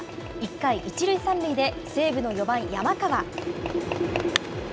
１回、１塁３塁で西武の４番山川。